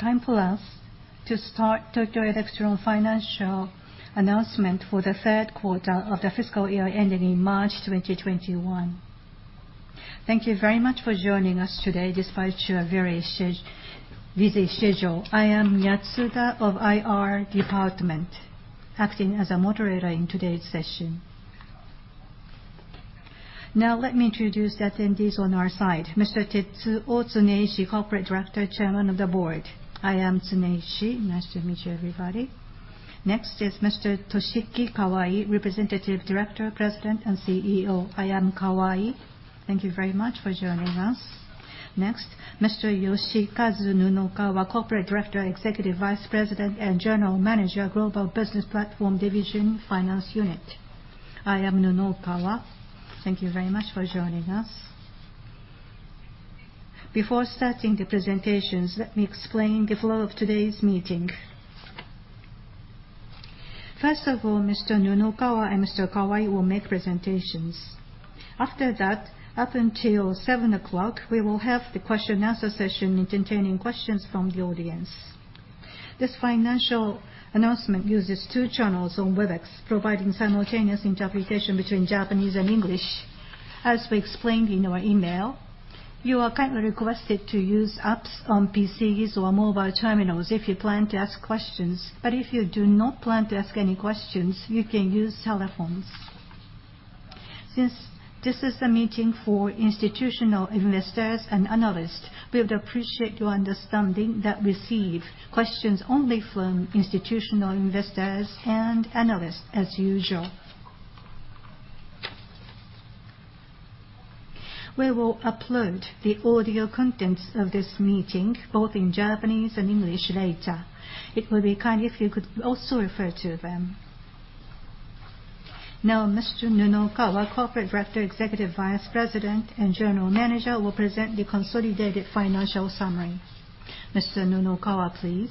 Time for us to start Tokyo Electron financial announcement for the third quarter of the fiscal year ending in March 2021. Thank you very much for joining us today despite your very busy schedule. I am Yatsuda of IR Department, acting as a moderator in today's session. Now let me introduce attendees on our side. Mr. Tetsuo Tsuneishi, Corporate Director, Chairman of the Board. I am Tsuneishi. Nice to meet you, everybody. Next is Mr. Toshiki Kawai, Representative Director, President and CEO. I am Kawai. Thank you very much for joining us. Next, Mr. Yoshikazu Nunokawa, Corporate Director, Executive Vice President and General Manager, Global Business Platform Division, Finance Unit. I am Nunokawa. Thank you very much for joining us. Before starting the presentations, let me explain the flow of today's meeting. First of all, Mr. Nunokawa and Mr. Kawai will make presentations. After that, up until 7:00, we will have the question and answer session, entertaining questions from the audience. This financial announcement uses two channels on Webex, providing simultaneous interpretation between Japanese and English. As we explained in our email, you are kindly requested to use apps on PCs or mobile terminals if you plan to ask questions. If you do not plan to ask any questions, you can use telephones. Since this is a meeting for institutional investors and analysts, we would appreciate your understanding that we receive questions only from institutional investors and analysts as usual. We will upload the audio contents of this meeting, both in Japanese and English later. It would be kind if you could also refer to them. Mr. Nunokawa, Corporate Director, Executive Vice President and General Manager will present the consolidated financial summary. Mr. Nunokawa, please.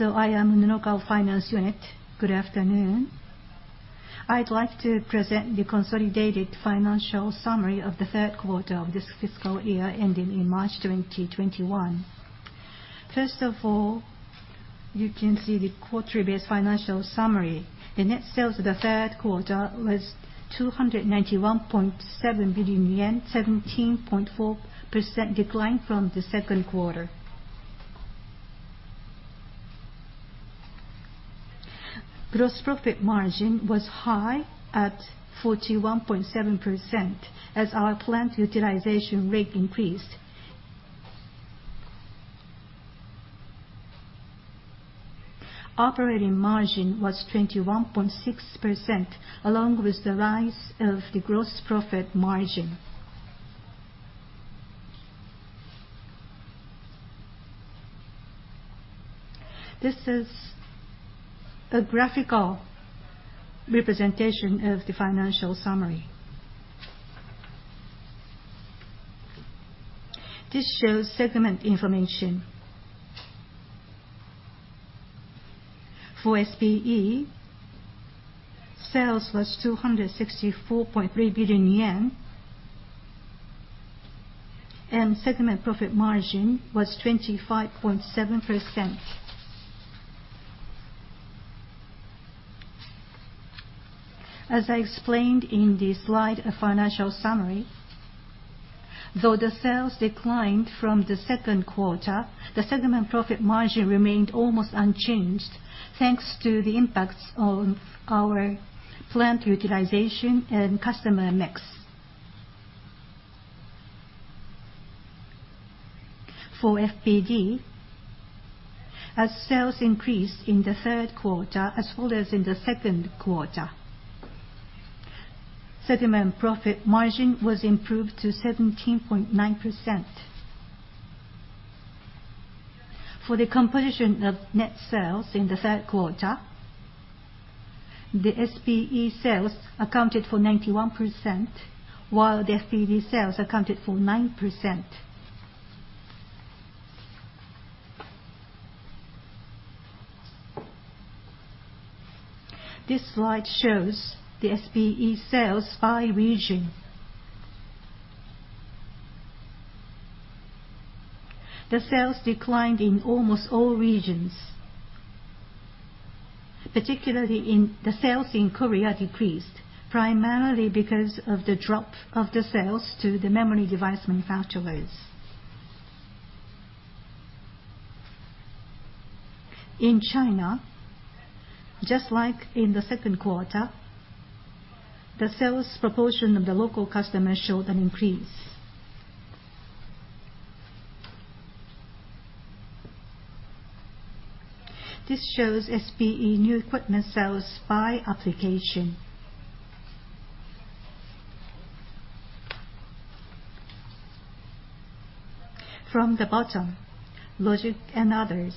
I am Nunokawa, Finance Unit. Good afternoon. I'd like to present the consolidated financial summary of the third quarter of this fiscal year ending in March 2021. First of all, you can see the quarter-based financial summary. The net sales for the third quarter was 291.7 billion yen, 17.4% decline from the second quarter. Gross profit margin was high at 41.7% as our plant utilization rate increased. Operating margin was 21.6%, along with the rise of the gross profit margin. This is a graphical representation of the financial summary. This shows segment information. For SPE, sales was 264.3 billion yen and segment profit margin was 25.7%. As I explained in the slide financial summary, though the sales declined from the second quarter, the segment profit margin remained almost unchanged, thanks to the impacts on our plant utilization and customer mix. For FPD, as sales increased in the third quarter as well as in the second quarter, segment profit margin was improved to 17.9%. For the composition of net sales in the third quarter, the SPE sales accounted for 91%, while the FPD sales accounted for 9%. This slide shows the SPE sales by region. The sales declined in almost all regions. Particularly, the sales in Korea decreased, primarily because of the drop of the sales to the memory device manufacturers. In China, just like in the second quarter, the sales proportion of the local customers showed an increase. This shows SPE new equipment sales by application. From the bottom, logic and others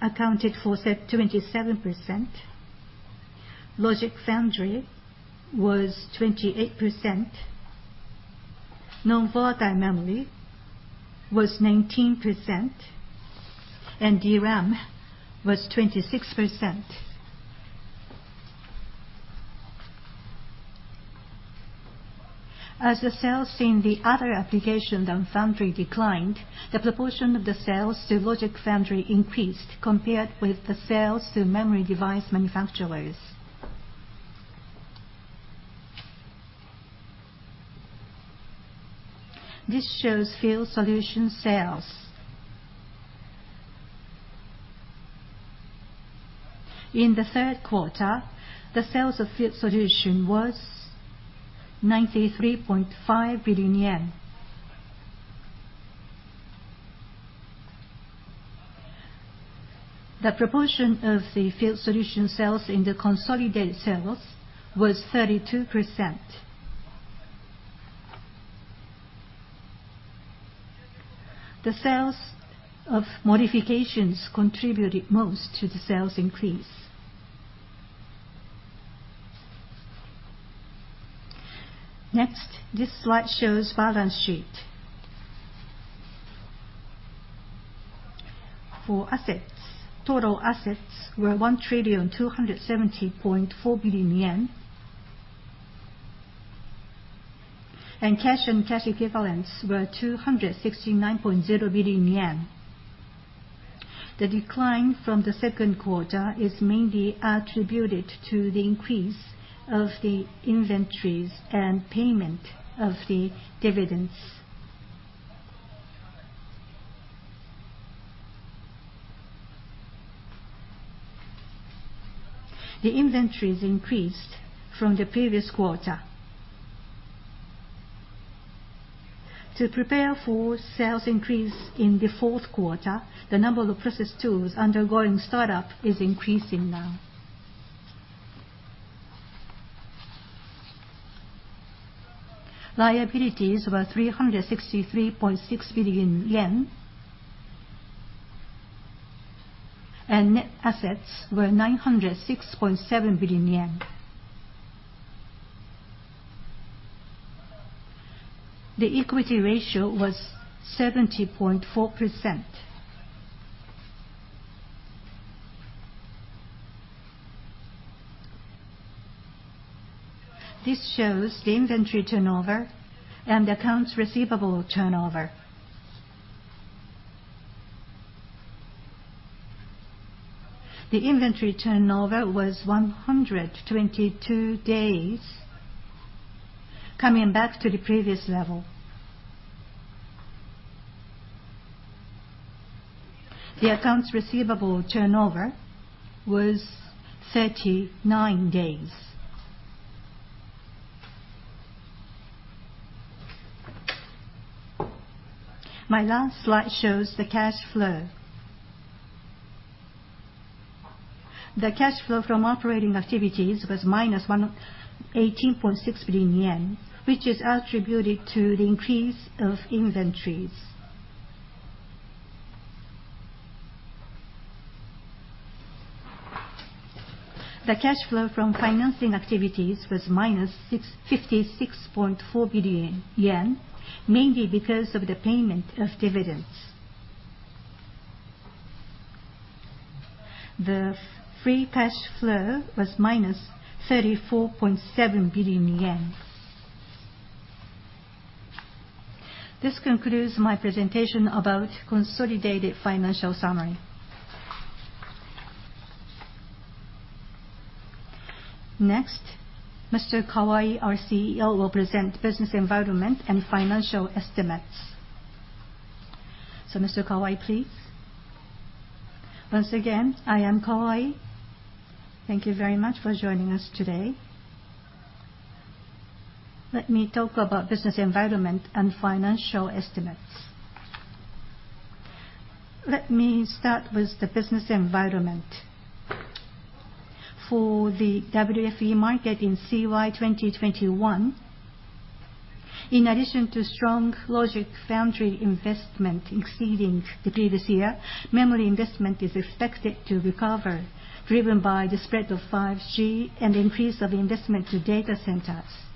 accounted for 27%, logic foundry was 28%, non-volatile memory was 19%, and DRAM was 26%. The sales in the other application than foundry declined, the proportion of the sales to logic foundry increased compared with the sales to memory device manufacturers. This shows field solution sales. In the third quarter, the sales of field solution was JPY 93.5 billion. The proportion of the field solution sales in the consolidated sales was 32%. The sales of modifications contributed most to the sales increase. This slide shows balance sheet. For assets, total assets were JPY 1.270 trillion, and cash and cash equivalents were 269.0 billion yen. The decline from the second quarter is mainly attributed to the increase of the inventories and payment of the dividends. The inventories increased from the previous quarter. To prepare for sales increase in the fourth quarter, the number of process tools undergoing startup is increasing now. Liabilities were 363.6 billion yen, and net assets were 906.7 billion yen. The equity ratio was 70.4%. This shows the inventory turnover and accounts receivable turnover. The inventory turnover was 122 days, coming back to the previous level. The accounts receivable turnover was 39 days. My last slide shows the cash flow. The cash flow from operating activities was minus 118.6 billion yen, which is attributed to the increase of inventories. The cash flow from financing activities was minus 56.4 billion yen, mainly because of the payment of dividends. The free cash flow was minus 34.7 billion yen. This concludes my presentation about consolidated financial summary. Next, Mr. Kawai, our CEO, will present business environment and financial estimates. Mr. Kawai, please. Once again, I am Kawai. Thank you very much for joining us today. Let me talk about business environment and financial estimates. Let me start with the business environment. For the WFE market in CY 2021, in addition to strong logic foundry investment exceeding the previous year, memory investment is expected to recover, driven by the spread of 5G and increase of investment to data centers.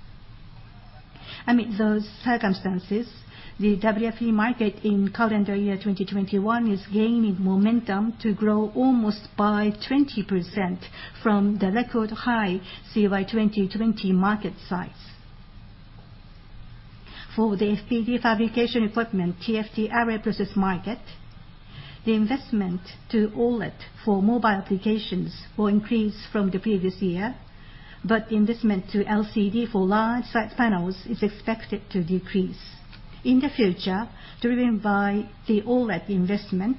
Amid those circumstances, the WFE market in calendar year 2021 is gaining momentum to grow almost by 20% from the record high CY 2020 market size. For the FPD fabrication equipment, TFT array process market, the investment to OLED for mobile applications will increase from the previous year, but investment to LCD for large site panels is expected to decrease. In the future, driven by the OLED investment,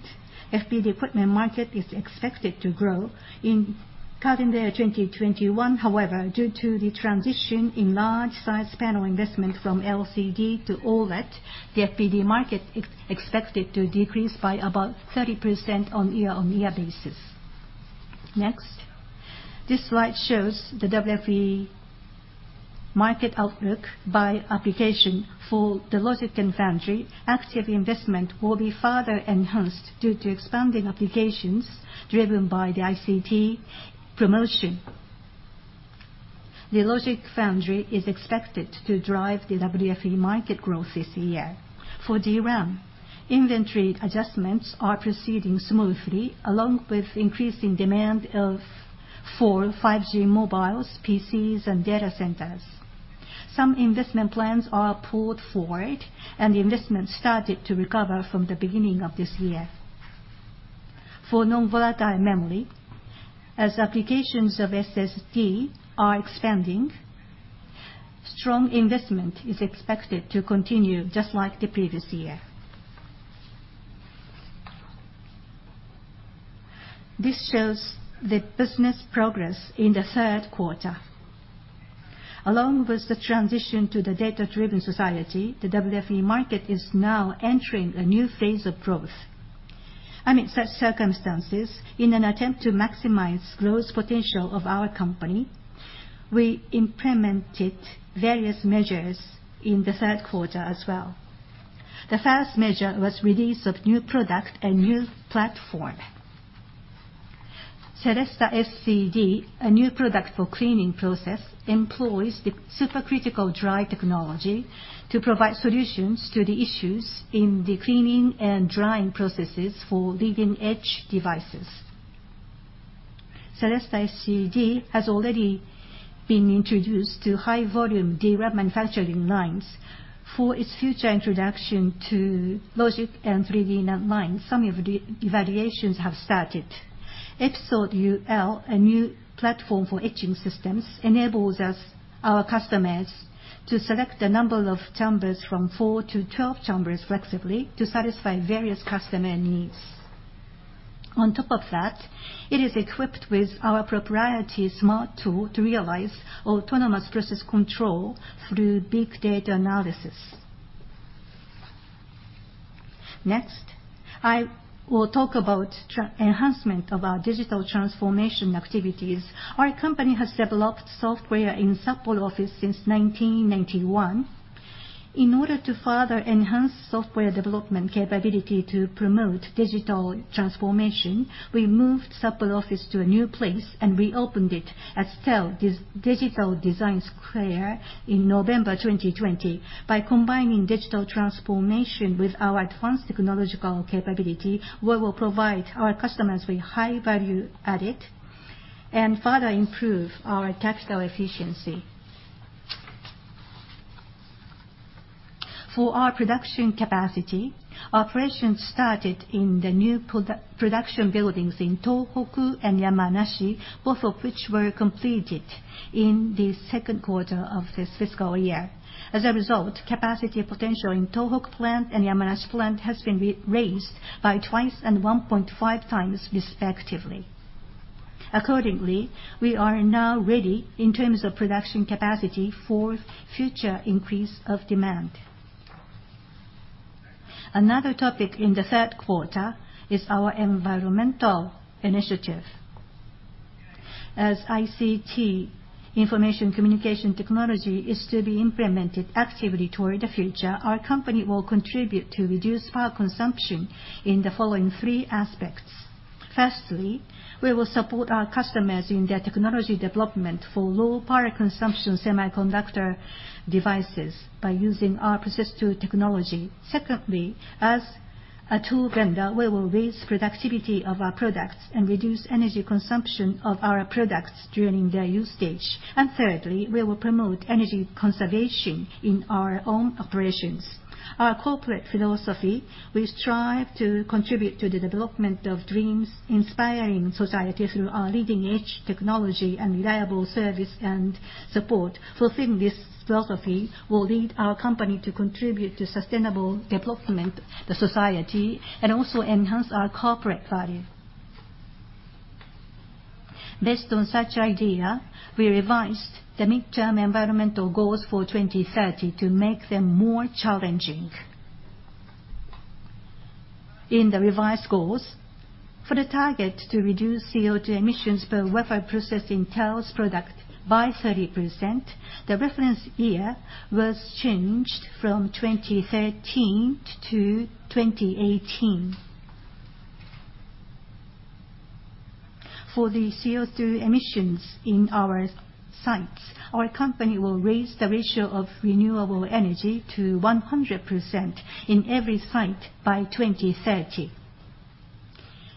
FPD equipment market is expected to grow. In CY 2021, however, due to the transition in large size panel investment from LCD to OLED, the FPD market is expected to decrease by about 30% on year-on-year basis. Next, this slide shows the WFE market outlook by application for the logic and foundry. Active investment will be further enhanced due to expanding applications driven by the ICT promotion. The logic foundry is expected to drive the WFE market growth this year. For DRAM, inventory adjustments are proceeding smoothly, along with increasing demand for 5G mobiles, PCs, and data centers. Some investment plans are pulled forward, and the investment started to recover from the beginning of this year. For non-volatile memory, as applications of SSD are expanding, strong investment is expected to continue just like the previous year. This shows the business progress in the third quarter. Along with the transition to the data-driven society, the WFE market is now entering a new phase of growth. Amid such circumstances, in an attempt to maximize growth potential of our company, we implemented various measures in the third quarter as well. The first measure was release of new product and new platform. CELLESTA SCD, a new product for cleaning process, employs the supercritical drying technology to provide solutions to the issues in the cleaning and drying processes for leading-edge devices. CELLESTA SCD has already been introduced to high-volume DRAM manufacturing lines. For its future introduction to logic and 3D NAND lines, some evaluations have started. Episode UL, a new platform for etching systems, enables our customers to select the number of chambers from 4-12 chambers flexibly to satisfy various customer needs. On top of that, it is equipped with our proprietary smart tool to realize autonomous process control through big data analysis. I will talk about enhancement of our digital transformation activities. Our company has developed software in Sapporo office since 1991. In order to further enhance software development capability to promote digital transformation, we moved Sapporo office to a new place and reopened it as TEL Digital Design Square in November 2020. By combining digital transformation with our advanced technological capability, we will provide our customers with high value added, and further improve our capital efficiency. For our production capacity, operations started in the new production buildings in Tohoku and Yamanashi, both of which were completed in the second quarter of this fiscal year. Capacity potential in Tohoku plant and Yamanashi plant has been raised by twice and 1.5 times respectively. Accordingly, we are now ready in terms of production capacity for future increase of demand. Another topic in the third quarter is our environmental initiative. As ICT, information communication technology, is to be implemented actively toward the future, our company will contribute to reduce power consumption in the following 3 aspects. Firstly, we will support our customers in their technology development for low power consumption semiconductor devices by using our process tool technology. Secondly, as a tool vendor, we will raise productivity of our products and reduce energy consumption of our products during their usage. Thirdly, we will promote energy conservation in our own operations. Our corporate philosophy, we strive to contribute to the development of dreams, inspiring society through our leading-edge technology and reliable service and support. Fulfilling this philosophy will lead our company to contribute to sustainable development, the society, and also enhance our corporate value. Based on such idea, we revised the midterm environmental goals for 2030 to make them more challenging. In the revised goals, for the target to reduce CO2 emissions per wafer processed in TEL's product by 30%, the reference year was changed from 2013 to 2018. For the CO2 emissions in our sites, our company will raise the ratio of renewable energy to 100% in every site by 2030.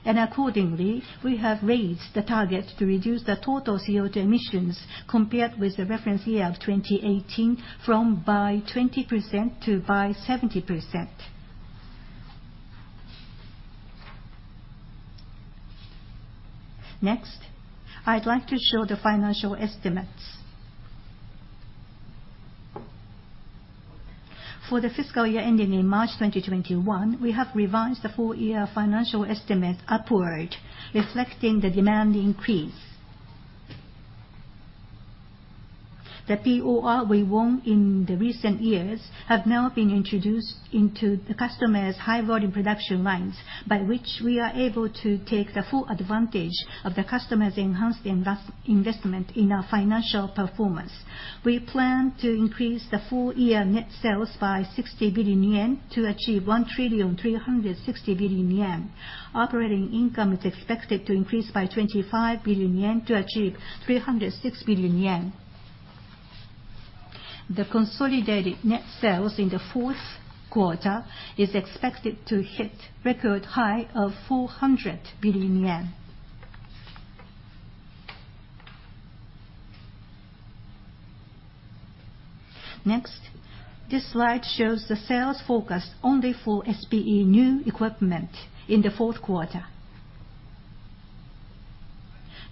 Accordingly, we have raised the target to reduce the total CO2 emissions compared with the reference year of 2018 from by 20% to by 70%. Next, I'd like to show the financial estimates. For the fiscal year ending in March 2021, we have revised the full year financial estimate upward, reflecting the demand increase. The POR we won in the recent years have now been introduced into the customers' high-volume production lines, by which we are able to take the full advantage of the customers' enhanced investment in our financial performance. We plan to increase the full year net sales by 60 billion yen to achieve 1,360 billion yen. Operating income is expected to increase by 25 billion yen to achieve 306 billion yen. The consolidated net sales in the fourth quarter is expected to hit record high of 400 billion yen. This slide shows the sales forecast only for SPE new equipment in the fourth quarter.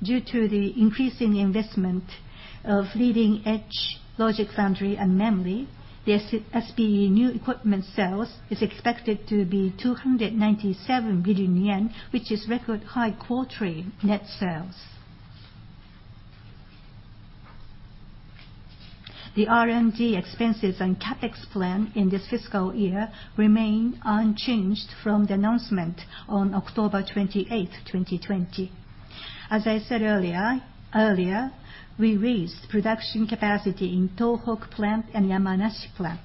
Due to the increasing investment of leading-edge logic foundry and memory, the SPE new equipment sales is expected to be 297 billion yen, which is record high quarterly net sales. The R&D expenses and CapEx plan in this fiscal year remain unchanged from the announcement on October 28, 2020. As I said earlier, we raised production capacity in Tohoku plant and Yamanashi plant.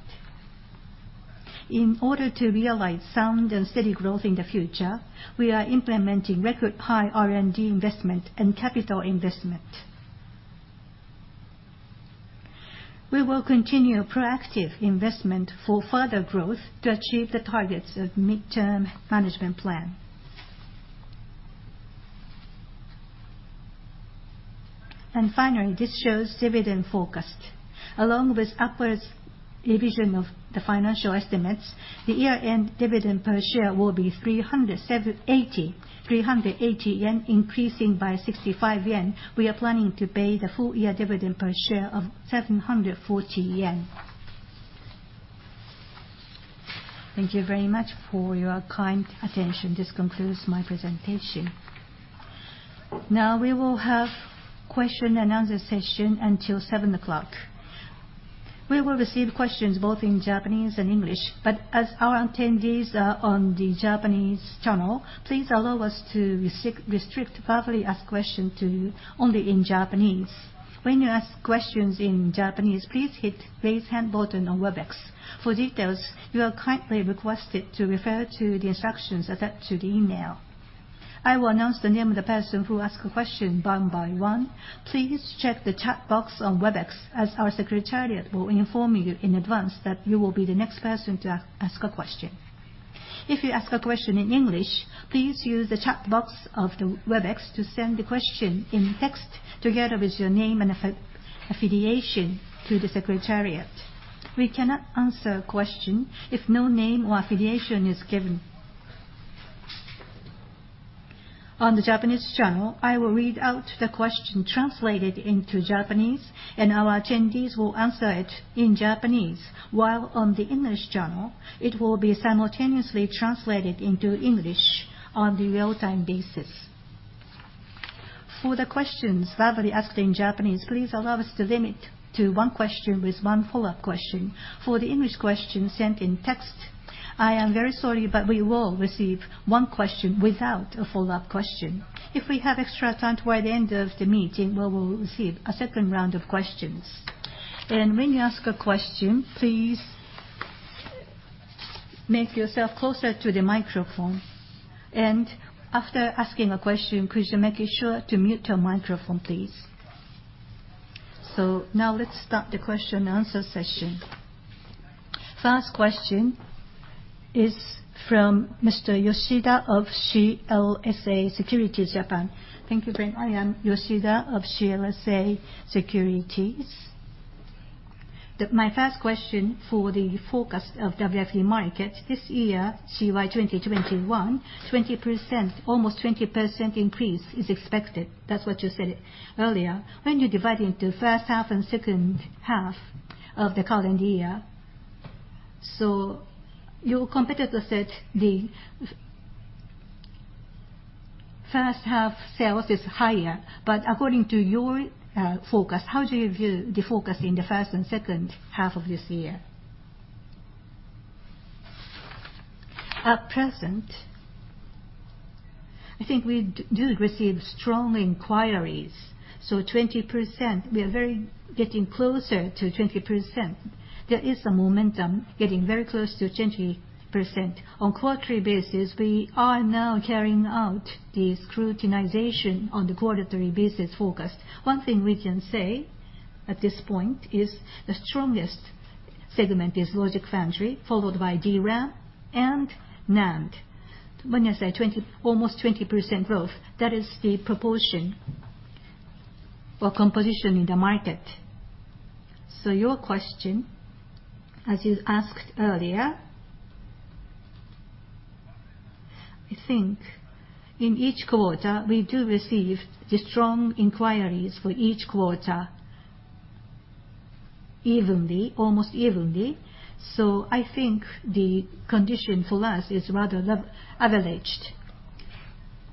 In order to realize sound and steady growth in the future, we are implementing record high R&D investment and capital investment. We will continue proactive investment for further growth to achieve the targets of midterm management plan. Finally, this shows dividend forecast. Along with upwards revision of the financial estimates, the year-end dividend per share will be 380, increasing by 65 yen. We are planning to pay the full year dividend per share of 740 yen. Thank you very much for your kind attention. This concludes my presentation. Now, we will have question and answer session until 7:00 P.M. We will receive questions both in Japanese and English, but as our attendees are on the Japanese channel, please allow us to restrict verbally asked question to only in Japanese. When you ask questions in Japanese, please hit raise hand button on Webex. For details, you are kindly requested to refer to the instructions attached to the email. I will announce the name of the person who ask a question one by one. Please check the chat box on Webex, as our secretariat will inform you in advance that you will be the next person to ask a question. If you ask a question in English, please use the chat box of the Webex to send the question in text together with your name and affiliation to the secretariat. We cannot answer a question if no name or affiliation is given. On the Japanese channel, I will read out the question translated into Japanese, and our attendees will answer it in Japanese, while on the English channel, it will be simultaneously translated into English on the real-time basis. For the questions verbally asked in Japanese, please allow us to limit to one question with one follow-up question. For the English question sent in text, I am very sorry, but we will receive one question without a follow-up question. If we have extra time toward the end of the meeting, we will receive a second round of questions. When you ask a question, please make yourself closer to the microphone. After asking a question, could you making sure to mute your microphone, please. Now let's start the question and answer session. First question is from Mr. Yoshida of CLSA Securities Japan. Thank you very much. I am Yoshida of CLSA Securities. My first question for the forecast of WFE market. This year, CY 2021, almost 20% increase is expected. That's what you said earlier. When you divide into first half and second half of the current year, your competitor said the first half sales is higher, according to your forecast, how do you view the forecast in the first and second half of this year? At present, I think we do receive strong inquiries, 20%, we are very getting closer to 20%. There is a momentum getting very close to 20%. On quarterly basis, we are now carrying out the scrutinization on the quarterly basis forecast. One thing we can say at this point is the strongest segment is logic foundry, followed by DRAM and NAND. When I say almost 20% growth, that is the proportion or composition in the market. Your question, as you asked earlier, I think in each quarter, we do receive the strong inquiries for each quarter almost evenly. I think the condition for us is rather leveraged.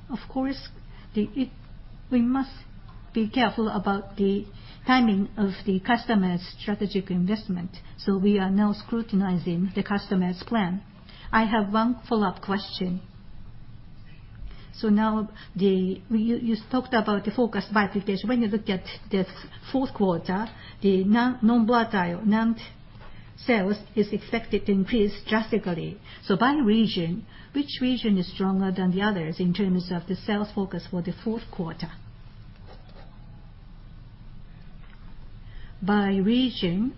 Of course, we must be careful about the timing of the customer's strategic investment, so we are now scrutinizing the customer's plan. I have one follow-up question. Now, you talked about the forecast by application. When you look at the fourth quarter, the non-volatile NAND sales is expected to increase drastically. By region, which region is stronger than the others in terms of the sales forecast for the fourth quarter? By region.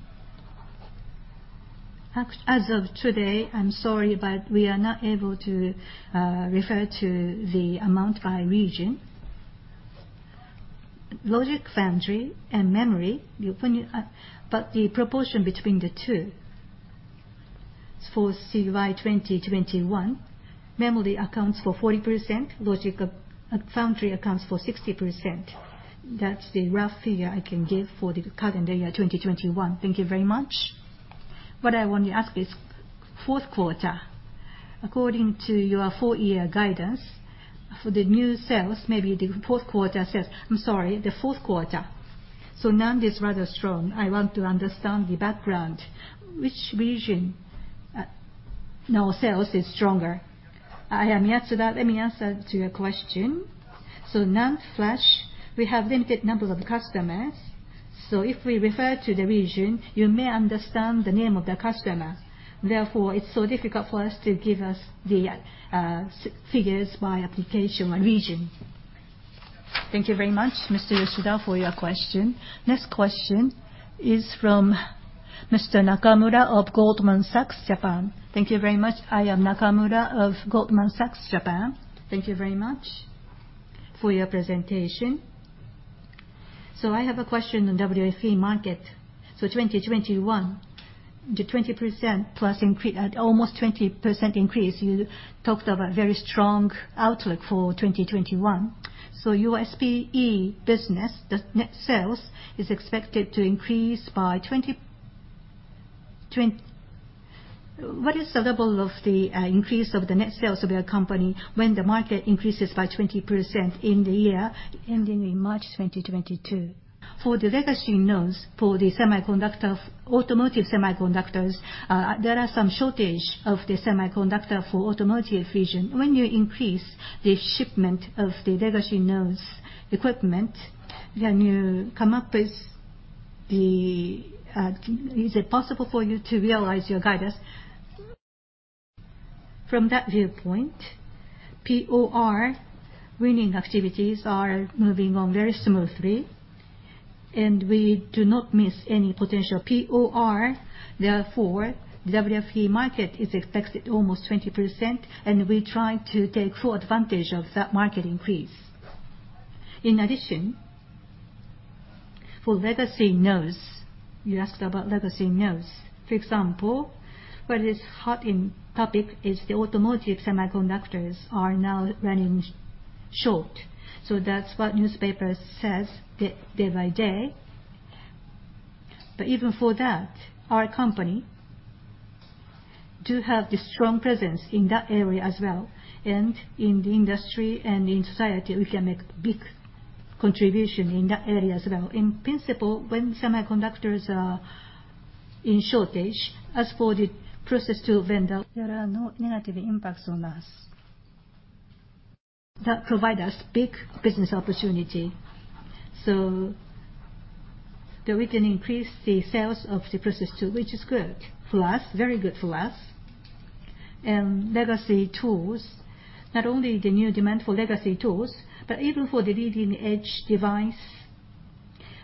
As of today, I'm sorry, but we are not able to refer to the amount by region. Logic foundry and memory, but the proportion between the two. For CY 2021, memory accounts for 40%, logic foundry accounts for 60%. That's the rough figure I can give for the CY 2021. Thank you very much. What I want to ask is, fourth quarter, according to your full year guidance for the new sales, maybe the fourth quarter. NAND is rather strong. I want to understand the background. Which region now sales is stronger? I am Yoshida. Let me answer to your question. NAND flash, we have limited number of customers. If we refer to the region, you may understand the name of the customer. Therefore, it's so difficult for us to give the figures by application and region. Thank you very much, Mr. Yoshida, for your question. Next question is from Mr. Nakamura of Goldman Sachs Japan. Thank you very much. I am Nakamura of Goldman Sachs Japan. Thank you very much for your presentation. I have a question on WFE market. 2021, the 20% almost 20% increase. You talked about very strong outlook for 2021. Your SPE business, the net sales, is expected to increase by 20. What is the level of the increase of the net sales of your company when the market increases by 20% in the year ending in March 2022? For the legacy nodes for the automotive semiconductors, there are some shortage of the semiconductor for automotive region. When you increase the shipment of the legacy nodes equipment, is it possible for you to realize your guidance? From that viewpoint, POR winning activities are moving on very smoothly, and we do not miss any potential POR. Therefore, WFE market is expected almost 20%, and we try to take full advantage of that market increase. In addition, for legacy nodes, you asked about legacy nodes. For example, what is hot in topic is the automotive semiconductors are now running short. That's what newspaper says day by day. Even for that, our company do have the strong presence in that area as well. In the industry and in society, we can make big contribution in that area as well. In principle, when semiconductors are in shortage, as for the process tool vendor, there are no negative impacts on us. That provide us big business opportunity. We can increase the sales of the process tool, which is good for us, very good for us. Legacy tools, not only the new demand for legacy tools, but even for the leading edge device.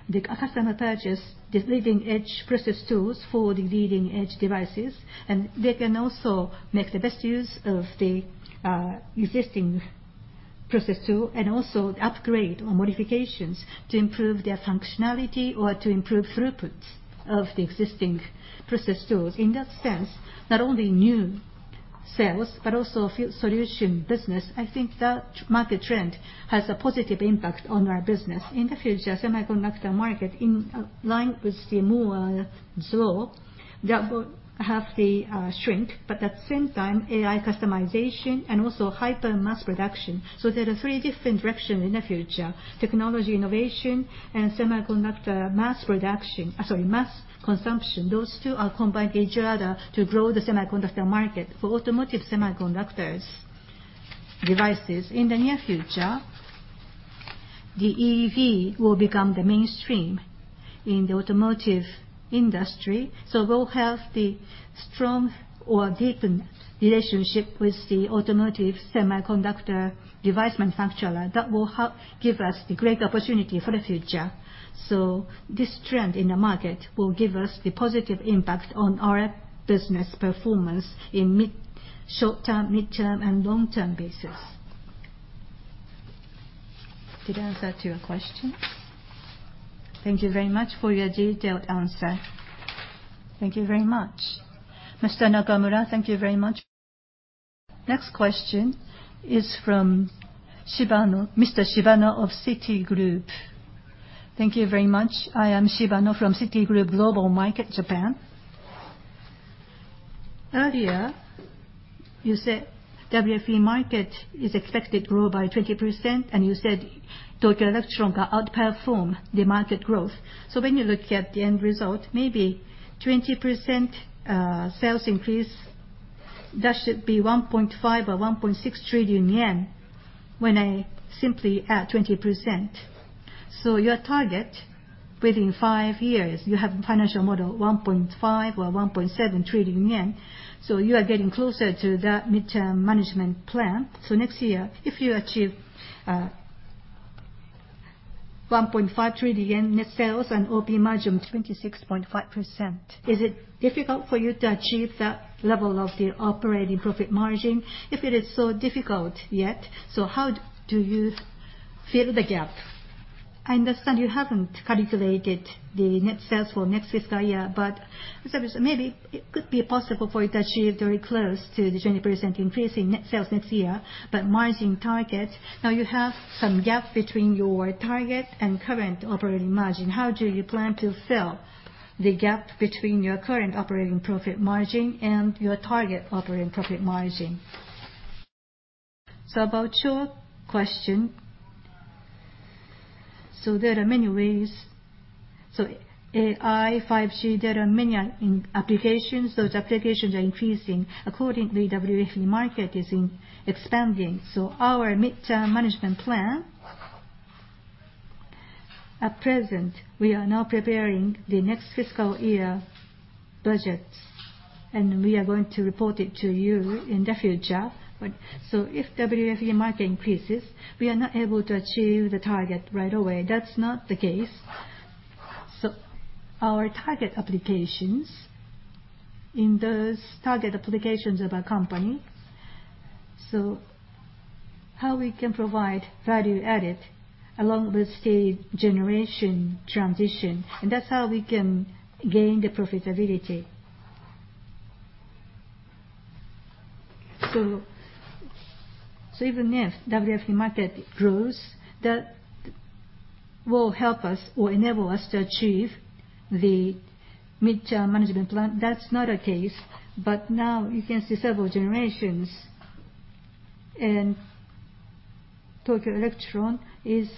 The customer purchase the leading-edge process tools for the leading-edge devices, and they can also make the best use of the existing process tool and also upgrade or modifications to improve their functionality or to improve throughputs of the existing process tools. In that sense, not only new sales, but also solution business. I think that market trend has a positive impact on our business. In the future, semiconductor market, in line with the Moore's law, that will have the shrink, but at the same time, AI customization and also hyper-mass production. There are three different direction in the future, technology innovation and semiconductor mass consumption. Those two are combined with each other to grow the semiconductor market. For automotive semiconductors devices, in the near future, the EV will become the mainstream in the automotive industry. We'll have the strong or deepen relationship with the automotive semiconductor device manufacturer that will give us the great opportunity for the future. This trend in the market will give us the positive impact on our business performance in short-term, midterm, and long-term basis. Did I answer to your question? Thank you very much for your detailed answer. Thank you very much. Mr. Nakamura, thank you very much. Next question is from Shibano, Mr. Shibano of Citigroup. Thank you very much. I am Shibano from Citigroup Global Markets Japan. Earlier, you said WFE market is expected to grow by 20%, and you said Tokyo Electron can outperform the market growth. When you look at the end result, maybe 20% sales increase, that should be 1.5 trillion or 1.6 trillion yen when I simply add 20%. Your target within five years, you have financial model 1.5 trillion or 1.7 trillion yen. You are getting closer to that midterm management plan. Next year, if you achieve 1.5 trillion yen net sales and OP margin of 26.5%. Is it difficult for you to achieve that level of the operating profit margin? If it is so difficult yet, how do you fill the gap? I understand you haven't calculated the net sales for next fiscal year, but maybe it could be possible for you to achieve very close to the 20% increase in net sales next year. Margin target, now you have some gap between your target and current operating margin. How do you plan to fill the gap between your current operating profit margin and your target operating profit margin? About your question, there are many ways. AI, 5G, there are many applications. Those applications are increasing. Accordingly, WFE market is expanding. Our mid-term management plan, at present, we are now preparing the next fiscal year budgets, and we are going to report it to you in the future. If WFE market increases, we are not able to achieve the target right away. That's not the case. Our target applications, in those target applications of a company, how we can provide value-added along with the generation transition, and that's how we can gain the profitability. Even if WFE market grows, that will help us or enable us to achieve the mid-term management plan. That's not our case. Now you can see several generations, and Tokyo Electron is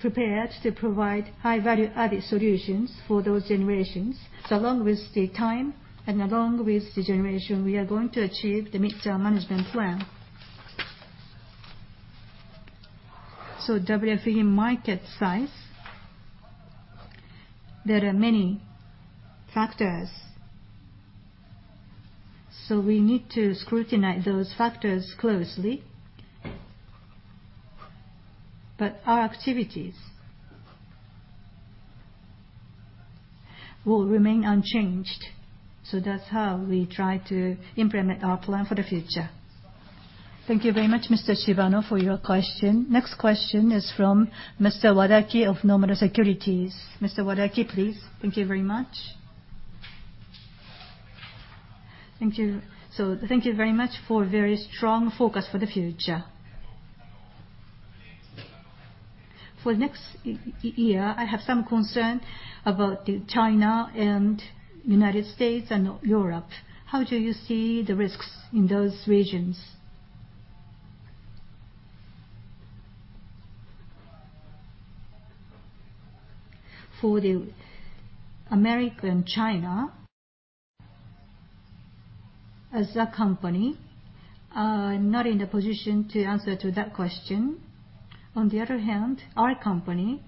prepared to provide high-value-added solutions for those generations. Along with the time and along with the generation, we are going to achieve the mid-term management plan. WFE market size, there are many factors, we need to scrutinize those factors closely. Our activities will remain unchanged. That's how we try to implement our plan for the future. Thank you very much, Mr. Shibano, for your question. Next question is from Mr. Wadaki of Nomura Securities. Mr. Wadaki, please. Thank you very much. Thank you. Thank you very much for a very strong focus for the future. For next year, I have some concern about China and United States and Europe. How do you see the risks in those regions? For the America and China, as a company, I'm not in a position to answer to that question. On the other hand, our company,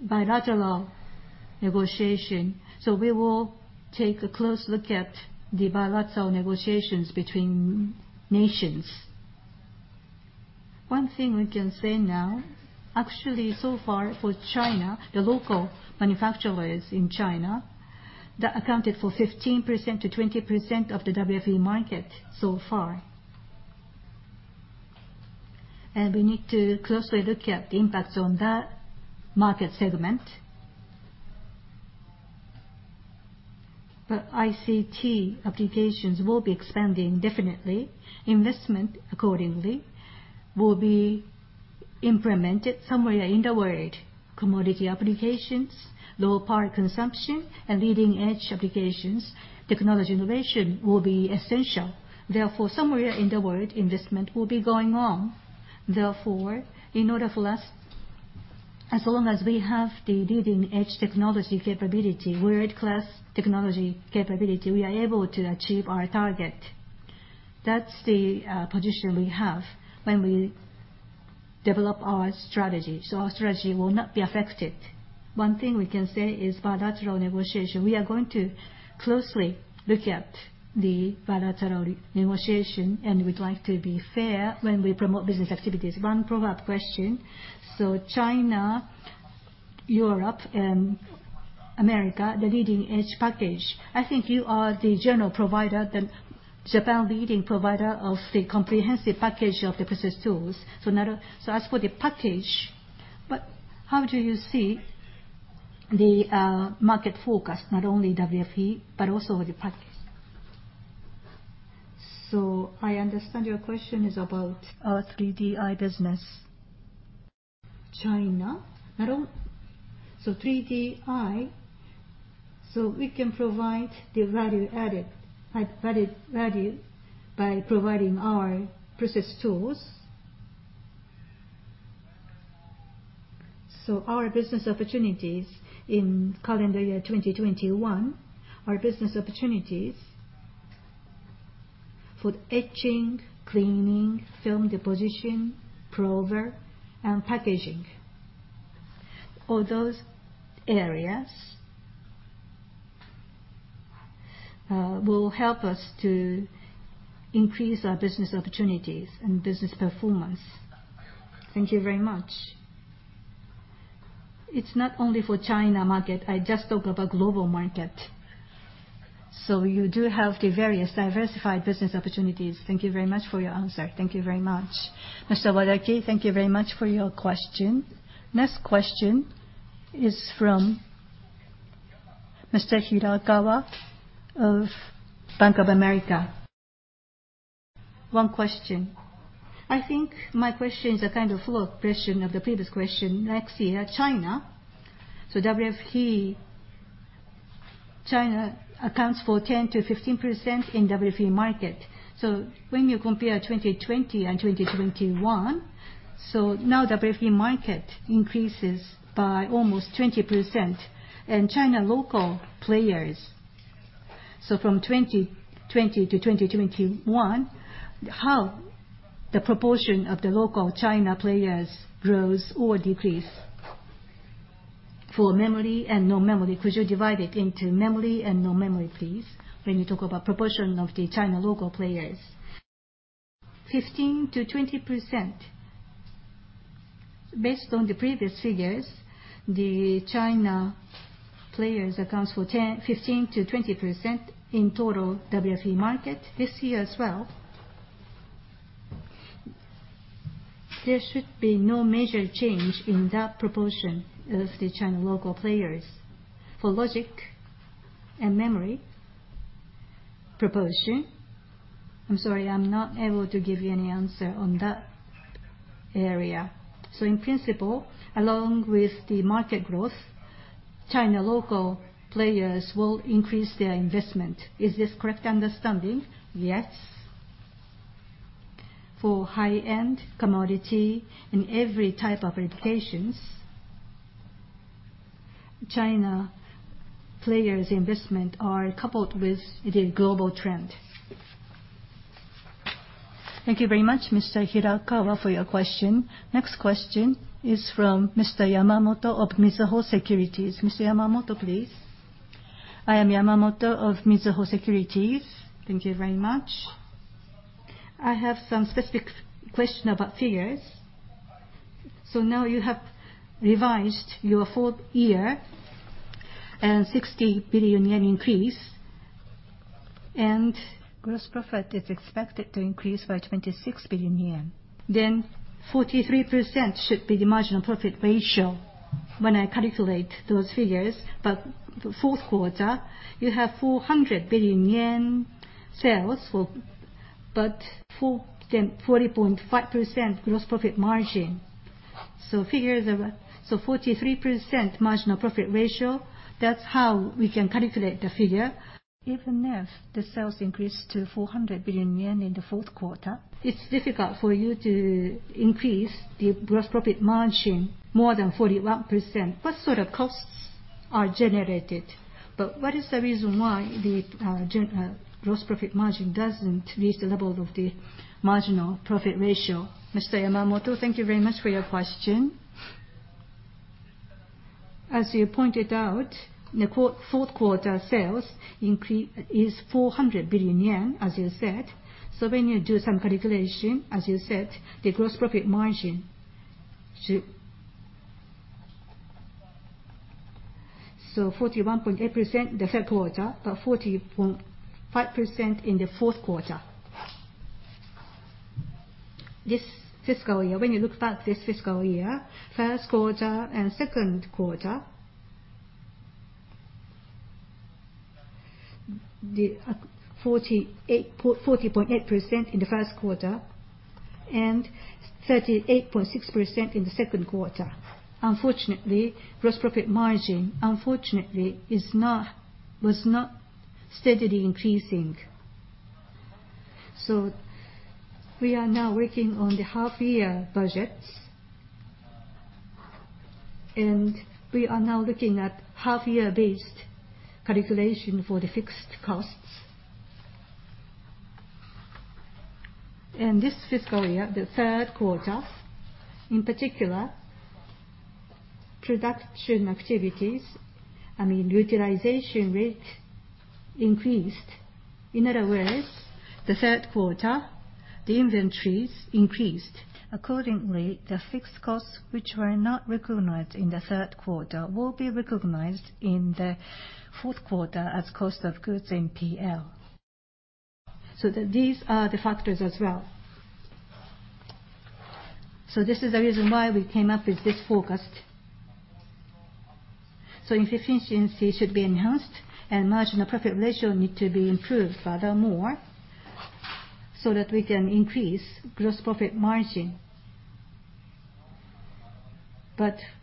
bilateral negotiation, so we will take a close look at the bilateral negotiations between nations. One thing we can say now, actualLy, so far for China, the local manufacturers in China, that accounted for 15%-20% of the WFE market so far. We need to closely look at the impacts on that market segment. ICT applications will be expanding definitely. Investment, accordingly, will be implemented somewhere in the world. Commodity applications, low power consumption, and leading-edge applications, technology innovation will be essential. Therefore, somewhere in the world, investment will be going on. Therefore, in order for us, as long as we have the leading-edge technology capability, world-class technology capability, we are able to achieve our target. That's the position we have when we develop our strategy, so our strategy will not be affected. One thing we can say is bilateral negotiation. We are going to closely look at the bilateral negotiation, and we'd like to be fair when we promote business activities. One follow-up question. China, Europe, and America, the leading-edge package. I think you are the general provider, the Japan leading provider of the comprehensive package of the process tools. As for the package, how do you see the market focus, not only WFE, but also the package? I understand your question is about our 3DI business. China, 3DI, we can provide the value added by providing our process tools. Our business opportunities in CY 2021, our business opportunities for etching, cleaning, film deposition, prober, and packaging, all those areas will help us to increase our business opportunities and business performance. Thank you very much. It is not only for China market, I just talk about global market. You do have the various diversified business opportunities. Thank you very much for your answer. Thank you very much. Mr. Wadaki, thank you very much for your question. Next question is from Mr. Hirakawa of Bank of America. One question. I think my question is a kind of follow-up question of the previous question. Let's see. China, so WFE China accounts for 10%-15% in WFE market. When you compare 2020 and 2021, so now WFE market increases by almost 20%, and China local players, so from 2020 to 2021, how the proportion of the local China players grows or decrease for memory and no memory? Could you divide it into memory and no memory, please, when you talk about proportion of the China local players? 15%-20%. Based on the previous figures, the China players accounts for 15%-20% in total WFE market. This year as well, there should be no major change in that proportion of the China local players. For logic and memory proportion, I'm sorry, I'm not able to give you any answer on that area. In principle, along with the market growth, China local players will increase their investment. Is this correct understanding? Yes. For high-end commodity and every type of applications, China players' investment are coupled with the global trend. Thank you very much, Mr. Hirakawa, for your question. Next question is from Mr. Yamamoto of Mizuho Securities. Mr. Yamamoto, please. I am Yamamoto of Mizuho Securities. Thank you very much. I have some specific question about figures. Now you have revised your fourth year, and 60 billion yen increase, and gross profit is expected to increase by 26 billion yen. 43% should be the marginal profit ratio when I calculate those figures, but the fourth quarter, you have 400 billion yen sales, but 40.5% gross profit margin. 43% marginal profit ratio, that's how we can calculate the figure. Even if the sales increased to 400 billion yen in the fourth quarter, it's difficult for you to increase the gross profit margin more than 41%. What sort of costs are generated? What is the reason why the gross profit margin doesn't reach the level of the marginal profit ratio? Mr. Yamamoto, thank you very much for your question. As you pointed out, the fourth quarter sales is 400 billion yen, as you said. When you do some calculation, as you said, the gross profit margin, so 41.8% in the third quarter, but 40.5% in the fourth quarter. This fiscal year, when you look back this fiscal year, first quarter and second quarter, the 40.8% in the first quarter and 38.6% in the second quarter. Unfortunately, gross profit margin, unfortunately, was not steadily increasing. We are now working on the half-year budgets, and we are now looking at half-year based calculation for the fixed costs. This fiscal year, the third quarter, in particular, production activities, I mean, utilization rate increased. In other words, the third quarter, the inventories increased. Accordingly, the fixed costs, which were not recognized in the third quarter, will be recognized in the fourth quarter as cost of goods in PL. These are the factors as well. This is the reason why we came up with this forecast. Efficiency should be enhanced and marginal profit ratio need to be improved furthermore so that we can increase gross profit margin.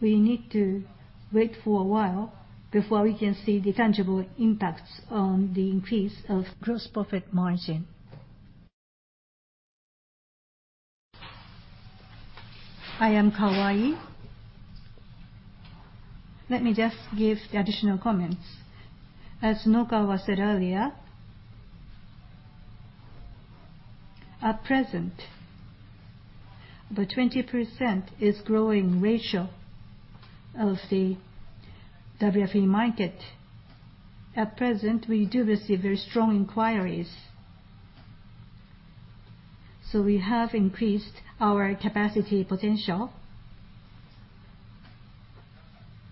We need to wait for a while before we can see the tangible impacts on the increase of gross profit margin. I am Kawai. Let me just give the additional comments. As Nunokawa said earlier. At present, about 20% is growing ratio of the WFE market. We do receive very strong inquiries. We have increased our capacity potential,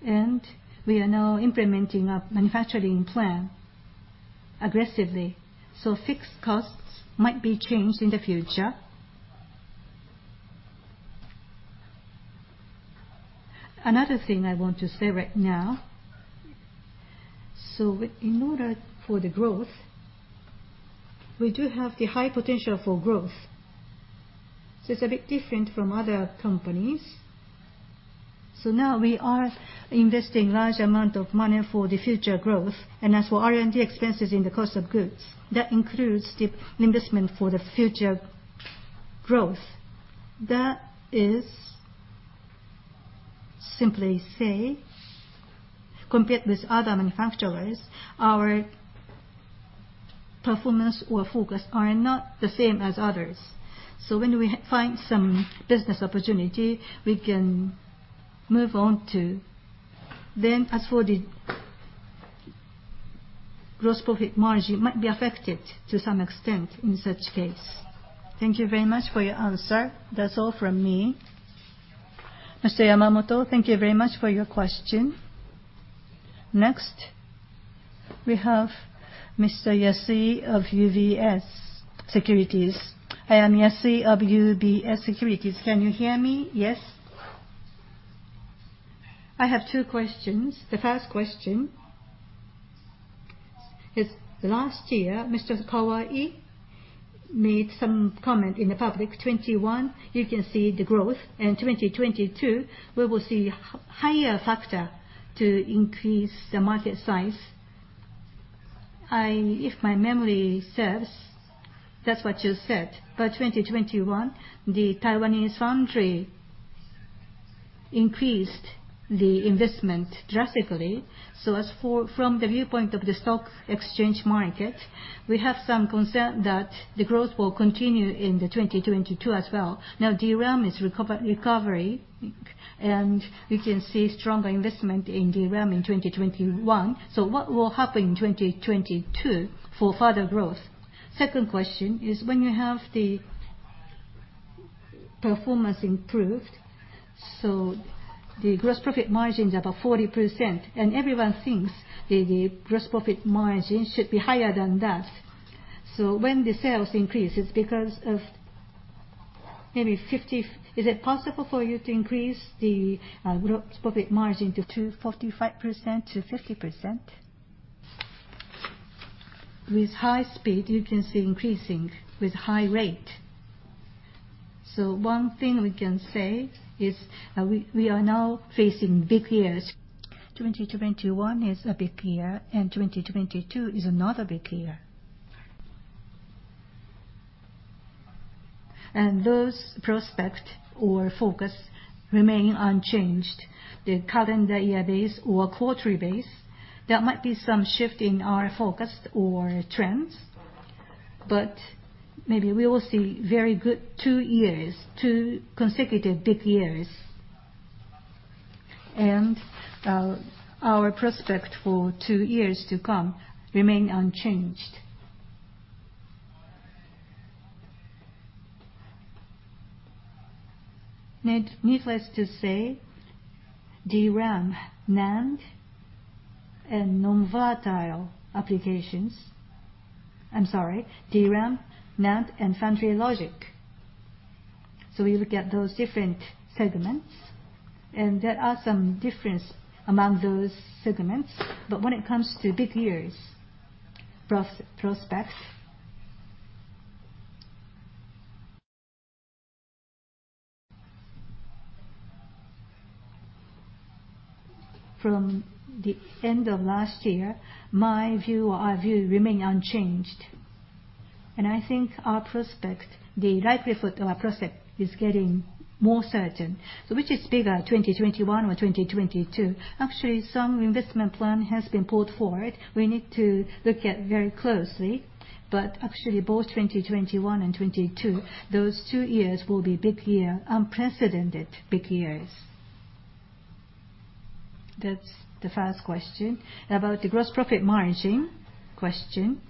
and we are now implementing a manufacturing plan aggressively, so fixed costs might be changed in the future. Another thing I want to say right now, in order for the growth, we do have the high potential for growth. It's a bit different from other companies. Now we are investing large amount of money for the future growth, and as for R&D expenses in the cost of goods, that includes the investment for the future growth. That is simply say, compared with other manufacturers, our performance or focus are not the same as others. When we find some business opportunity, we can move on to then, as for the gross profit margin might be affected to some extent in such case. Thank you very much for your answer. That's all from me. Mr. Yamamoto, thank you very much for your question. Next, we have Mr. Yasui of UBS Securities. I am Yasui of UBS Securities. Can you hear me? Yes. I have two questions. The first question is, last year, Mr. Kawai made some comment in the public, 2021 you can see the growth, and 2022, we will see higher factor to increase the market size. If my memory serves, that's what you said. By 2021, the Taiwanese foundry increased the investment drastically. From the viewpoint of the stock exchange market, we have some concern that the growth will continue into 2022 as well. Now DRAM is recovery, and we can see stronger investment in DRAM in 2021. Second question is, when you have the performance improved, so the gross profit margin is about 40%, and everyone thinks the gross profit margin should be higher than that. When the sales increases because of maybe 5G, is it possible for you to increase the gross profit margin to 45%-50%? With high speed, you can see increasing with high rate. One thing we can say is we are now facing big years. 2021 is a big year, and 2022 is another big year. Those prospects or focus remain unchanged. The calendar year base or quarterly base, there might be some shift in our focus or trends, but maybe we will see very good two years, two consecutive big years. Our prospect for two years to come remain unchanged. Needless to say, DRAM, NAND, and non-volatile applications. I'm sorry, DRAM, NAND, and foundry logic. We look at those different segments, and there are some difference among those segments. When it comes to big years prospects, from the end of last year, my view or our view remain unchanged. I think our prospects, the likelihood of our prospect is getting more certain. Which is bigger, 2021 or 2022? Actually, some investment plan has been pulled forward. We need to look at very closely, but actually both 2021 and 2022, those two years will be big year, unprecedented big years. That's the first question. About the gross profit margin question.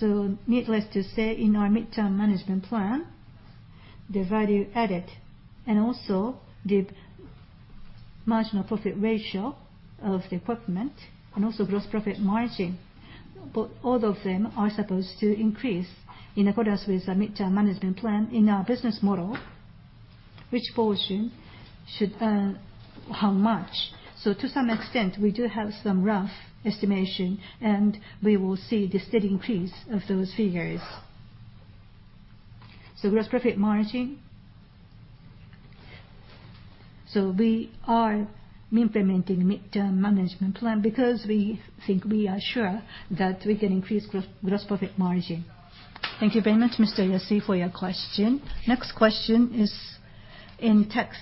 Needless to say, in our midterm management plan, the value added and also the marginal profit ratio of the equipment and also gross profit margin, all of them are supposed to increase in accordance with the midterm management plan in our business model, which portion should earn how much. To some extent, we do have some rough estimation, and we will see the steady increase of those figures. Gross profit margin, we are implementing midterm management plan because we think we are sure that we can increase gross profit margin. Thank you very much, Mr. Yasui, for your question. Next question is in text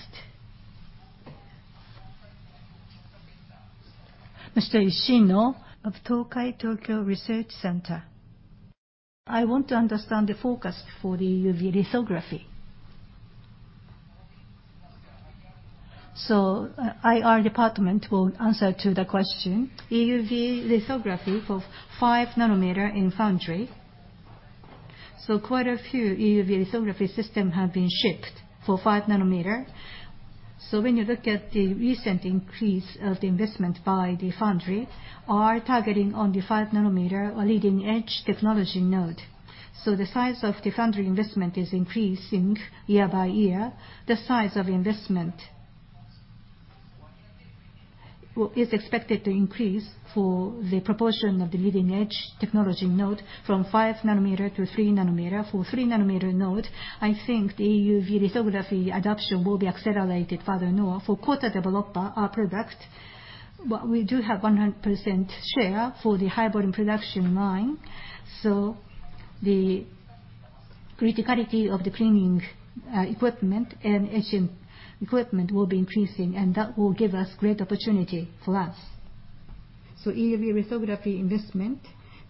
Mr. Ishino of Tokai Tokyo Research Center. I want to understand the forecast for the EUV lithography. IR department will answer to the question. EUV lithography for 5 nanometer in foundry. Quite a few EUV lithography system have been shipped for 5 nanometer. When you look at the recent increase of the investment by the foundry are targeting on the 5 nanometer leading-edge technology node. The size of the foundry investment is increasing year by year. The size of investment is expected to increase for the proportion of the leading-edge technology node from 5 nanometer to 3 nanometer. For 3 nanometer node, I think the EUV lithography adoption will be accelerated further north. For coater/developer, our product, we do have 100% share for the high-volume production line, the criticality of the cleaning equipment and etch equipment will be increasing, and that will give us great opportunity for us. EUV lithography investment,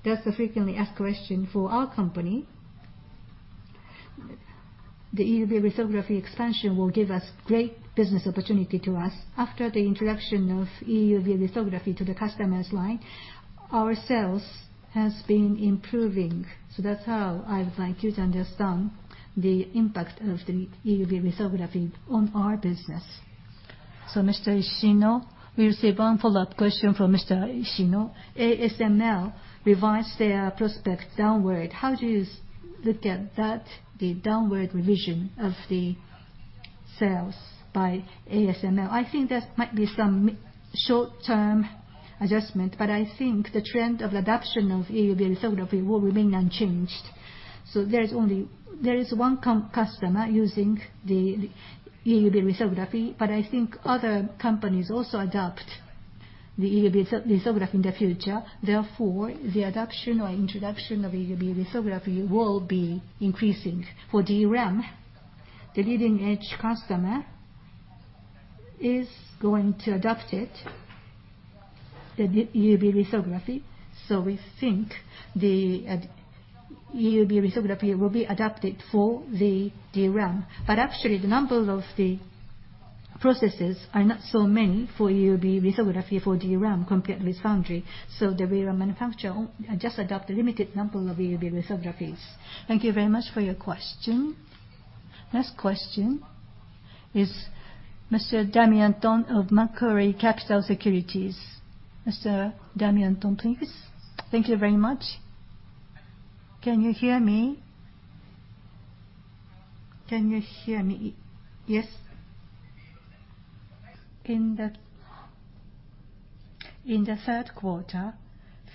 that's a frequently asked question for our company. The EUV lithography expansion will give us great business opportunity to us. After the introduction of EUV lithography to the customer's line, our sales has been improving. That's how I'd like you to understand the impact of the EUV lithography on our business. Mr. Ishino, we receive one follow-up question from Mr. Ishino. ASML revised their prospects downward. How do you look at that, the downward revision of the sales by ASML? I think that might be some short-term adjustment, but I think the trend of adoption of EUV lithography will remain unchanged. There is one customer using the EUV lithography, but I think other companies also adopt the EUV lithography in the future. Therefore, the adoption or introduction of EUV lithography will be increasing. For DRAM, the leading-edge customer is going to adopt it, the EUV lithography, so we think the EUV lithography will be adapted for the DRAM. Actually, the number of the processes are not so many for EUV lithography for DRAM compared with foundry. The DRAM manufacturer just adopt a limited number of EUV lithographies. Thank you very much for your question. Next question is Mr. Damian Thong of Macquarie Capital Securities. Mr. Damian Thong, please. Thank you very much. Can you hear me? Yes. In the third quarter,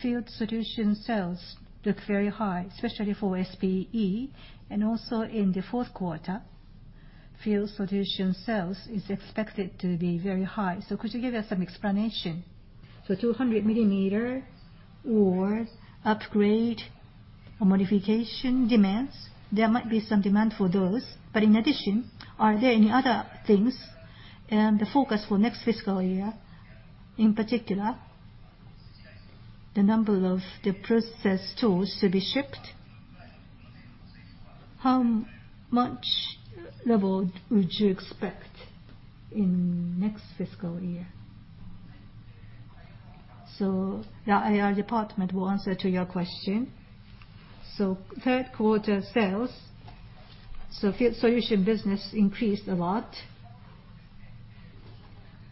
field solution sales look very high, especially for SPE, and also in the fourth quarter, field solution sales is expected to be very high. Could you give us some explanation? 200 millimeter or upgrade or modification demands, there might be some demand for those, but in addition, are there any other things? The forecast for next fiscal year, in particular, the number of the process tools to be shipped, how much level would you expect in next fiscal year? The IR department will answer to your question. Third quarter sales, so field solution business increased a lot.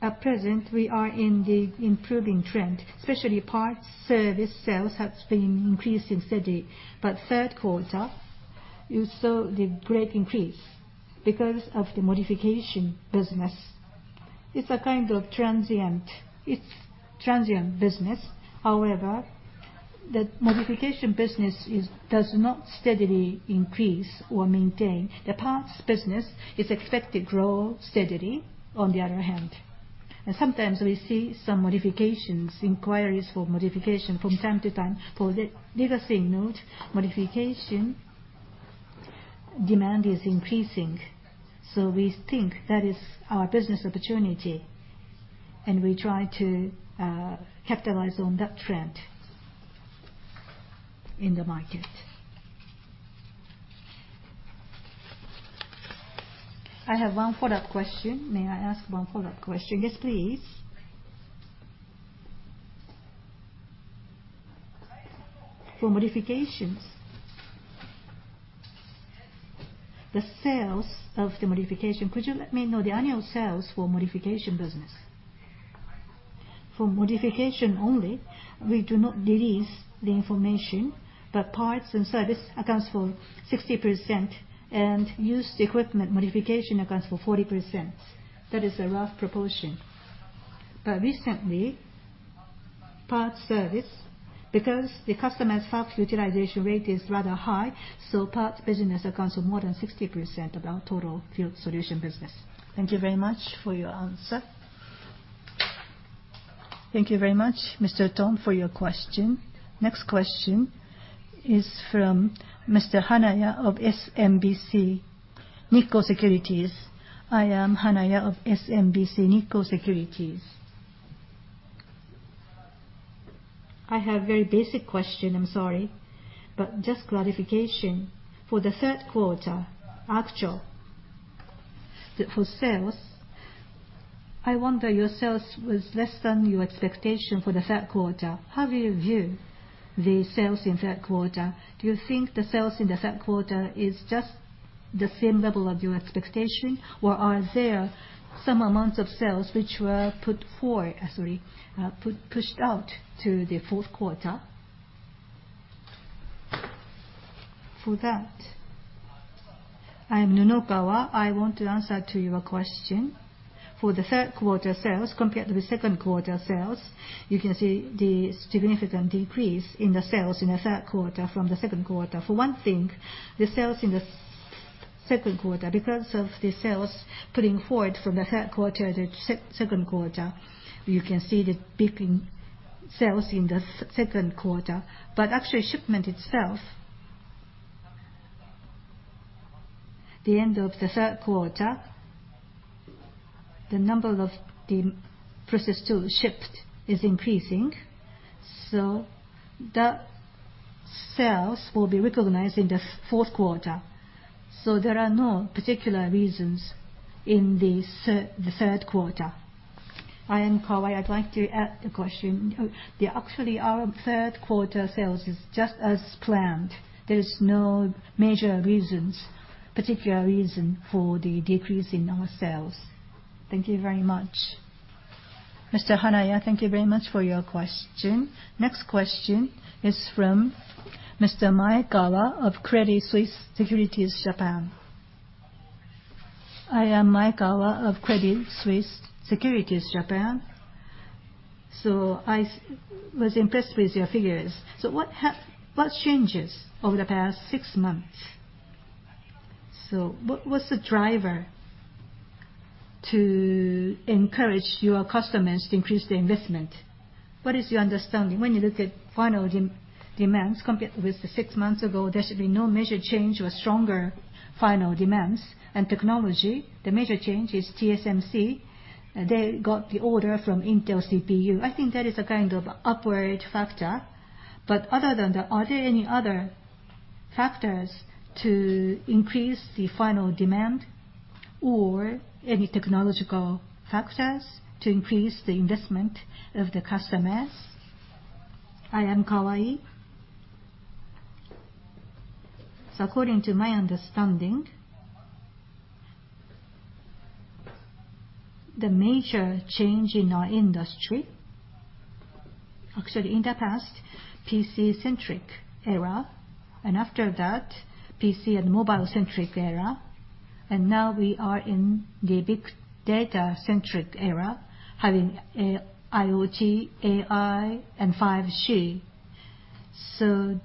At present, we are in the improving trend, especially parts service sales has been increasing steady. Third quarter, you saw the great increase because of the modification business. It's a kind of transient business. However, the modification business does not steadily increase or maintain. The parts business is expected to grow steadily, on the other hand. Sometimes we see some modifications, inquiries for modification from time to time. For legacy node, modification demand is increasing, so we think that is our business opportunity, and we try to capitalize on that trend in the market. I have one follow-up question. May I ask one follow-up question? Yes, please. For modifications, the sales of the modification, could you let me know the annual sales for modification business? For modification only, we do not release the information, but parts and service accounts for 60%, and used equipment modification accounts for 40%. That is a rough proportion. Recently, parts service, because the customer's fab utilization rate is rather high, so parts business accounts for more than 60% of our total field solution business. Thank you very much for your answer. Thank you very much, Mr. Thong, for your question. Next question is from Mr. Hanaya of SMBC Nikko Securities. I am Hanaya of SMBC Nikko Securities. I have very basic question, I'm sorry, but just clarification. For the third quarter, actual for sales, I wonder, your sales was less than your expectation for the third quarter. How do you view the sales in third quarter? Do you think the sales in the third quarter is just the same level of your expectation? Are there some amounts of sales which were pushed out to the fourth quarter? For that, I am Nunokawa. I want to answer to your question. For the third quarter sales compared to the second quarter sales, you can see the significant decrease in the sales in the third quarter from the second quarter. For one thing, the sales in the second quarter, because of the sales pulling forward from the third quarter to second quarter, you can see the big sales in the second quarter. Actually, shipment itself, the end of the third quarter, the number of the process tools shipped is increasing, so that sales will be recognized in the fourth quarter, so there are no particular reasons in the third quarter. I am Kawai, I'd like to add a question. Actually, our third quarter sales is just as planned. There is no major reasons, particular reason for the decrease in our sales. Thank you very much. Mr. Hanaya, thank you very much for your question. Next question is from Mr. Maekawa of Credit Suisse Securities Japan. I am Maekawa of Credit Suisse Securities Japan. I was impressed with your figures. What changes over the past six months? What's the driver to encourage your customers to increase the investment? What is your understanding when you look at final demands compared with the six months ago? There should be no major change or stronger final demands. Technology, the major change is TSMC. They got the order from Intel CPU. I think that is a kind of upward factor, but other than that, are there any other factors to increase the final demand or any technological factors to increase the investment of the customers? I am Kawai. According to my understanding, the major change in our industry, actually in the past PC centric era, and after that, PC and mobile centric era, now we are in the big data centric era, having IoT, AI, and 5G.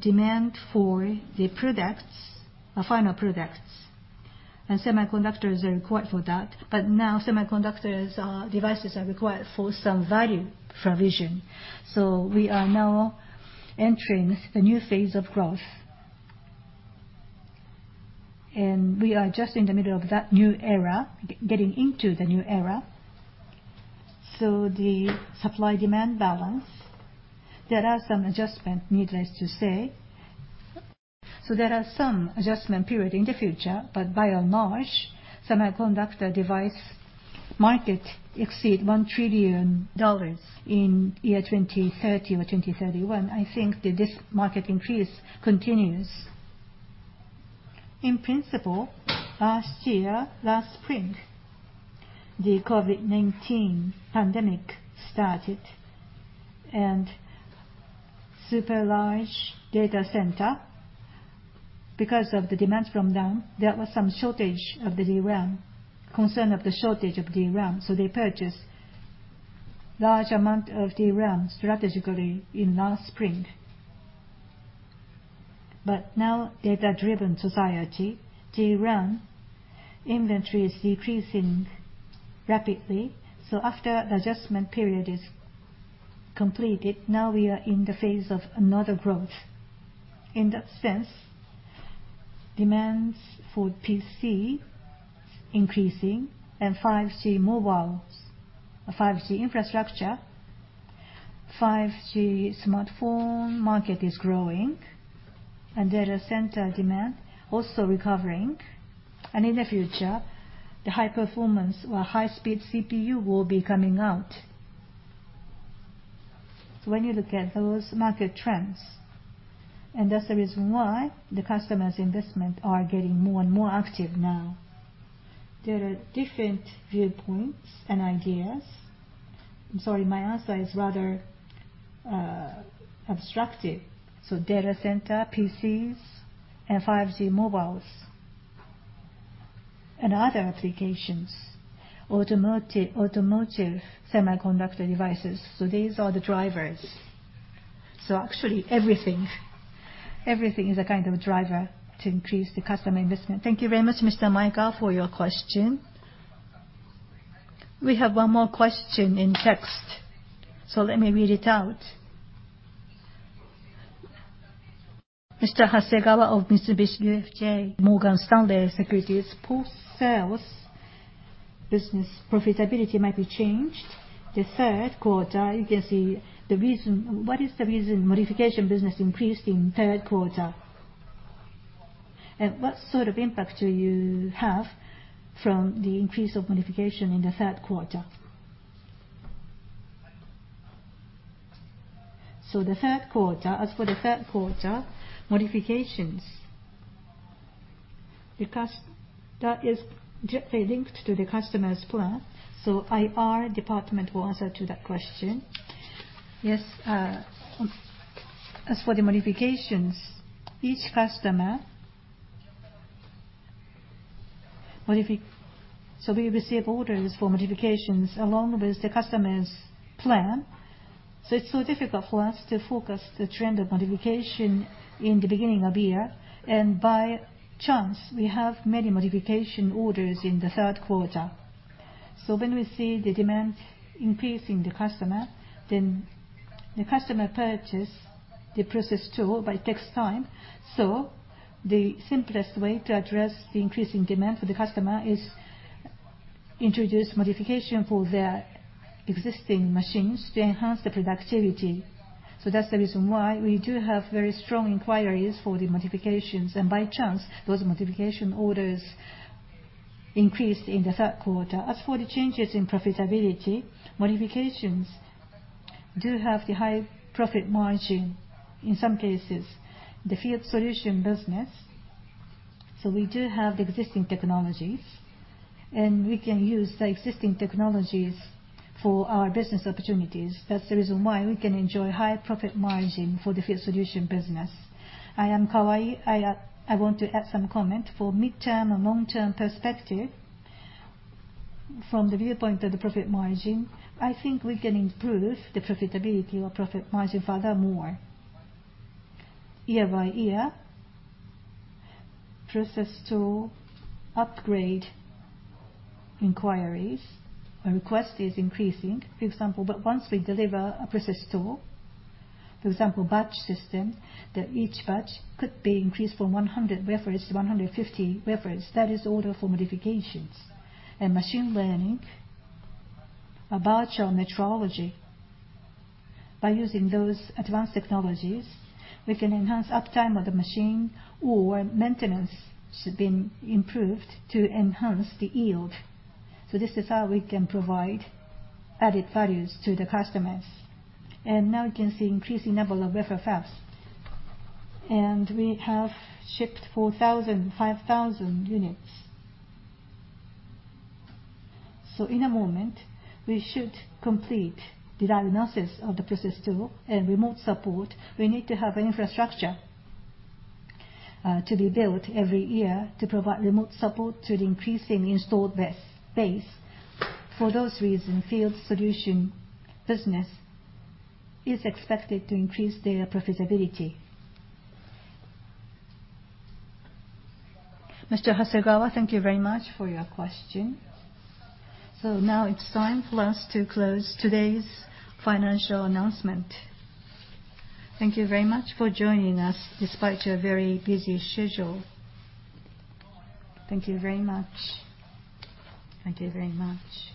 Demand for the products, our final products, and semiconductors are required for that. Now semiconductors are devices are required for some value provision. We are now entering the new phase of growth, and we are just in the middle of that new era, getting into the new era. The supply-demand balance, there are some adjustment, needless to say. There are some adjustment period in the future, but by and large, semiconductor device market exceed $1 trillion in year 2030 or 2031. I think that this market increase continues. In principle, last year, last spring, the COVID-19 pandemic started and super large data center, because of the demand from them, there was some shortage of the DRAM, concern of the shortage of DRAM, so they purchased large amount of DRAM strategically in last spring. Now data-driven society, DRAM inventory is decreasing rapidly, so after the adjustment period is completed, now we are in the phase of another growth. In that sense, demands for PC increasing and 5G mobiles, 5G infrastructure, 5G smartphone market is growing, and data center demand also recovering, and in the future, the high performance or high speed CPU will be coming out. When you look at those market trends, that's the reason why the customers' investment are getting more and more active now. There are different viewpoints and ideas. I'm sorry, my answer is rather obstructive. Data center, PCs, and 5G mobiles and other applications, automotive semiconductor devices. These are the drivers. Actually everything is a kind of driver to increase the customer investment. Thank you very much, Mr. Maekawa, for your question. We have one more question in text. Let me read it out. Mr. Hasegawa of Mitsubishi UFJ Morgan Stanley Securities. Post-sales business profitability might be changed. The third quarter, you can see the reason. What is the reason modification business increased in third quarter? What sort of impact do you have from the increase of modification in the third quarter? As for the third quarter modifications, because that is directly linked to the customer's plan, so IR department will answer to that question. Yes. As for the modifications, so we receive orders for modifications along with the customer's plan. It's so difficult for us to forecast the trend of modification in the beginning of year. By chance, we have many modification orders in the third quarter. When we see the demand increase in the customer, then the customer purchase the process tool, but it takes time. The simplest way to address the increasing demand for the customer is introduce modification for their existing machines to enhance the productivity. That's the reason why we do have very strong inquiries for the modifications. By chance, those modification orders increased in the third quarter. As for the changes in profitability, modifications do have the high profit margin, in some cases, the field solution business. We do have the existing technologies, and we can use the existing technologies for our business opportunities. That's the reason why we can enjoy high profit margin for the field solution business. I am Kawai. I want to add some comment. For mid-term or long-term perspective, from the viewpoint of the profit margin, I think we can improve the profitability or profit margin further more. Year-by-year, process tool upgrade inquiries or request is increasing, for example, but once we deliver a process tool, for example, batch system, that each batch could be increased from 100 wafers to 150 wafers. That is order for modifications. Machine learning, a virtual metrology. By using those advanced technologies, we can enhance uptime of the machine or maintenance has been improved to enhance the yield. This is how we can provide added values to the customers. Now we can see increasing level of [FFFs]. We have shipped 4,000, 5,000 units. In a moment, we should complete the diagnosis of the process tool and remote support. We need to have infrastructure to be built every year to provide remote support to the increasing installed base. For those reasons, field solution business is expected to increase their profitability. Mr. Hasegawa, thank you very much for your question. Now it's time for us to close today's financial announcement. Thank you very much for joining us despite your very busy schedule. Thank you very much. Thank you very much.